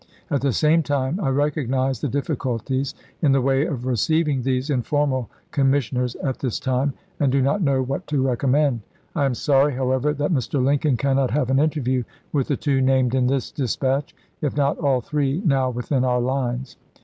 At the same time I recognize the difficulties in the way of receiving these informal commissioners at this time, and do not know what to recommend. I am sorry, however, that Mr. Lincoln cannot have an interview with the two named in this dispatch, if not all three now within our lines.